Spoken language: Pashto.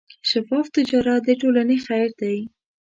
شفاف تجارت د ټولنې خیر دی.